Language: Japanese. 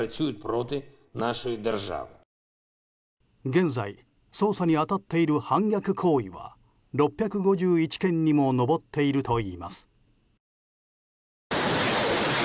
現在、捜査に当たっている反逆行為は６５１件にも上っているといいます。